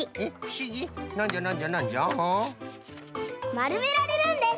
まるめられるんです。